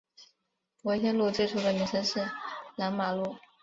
伯先路最初的名称是南马路。